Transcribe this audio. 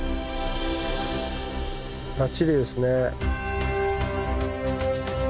バッチリですね。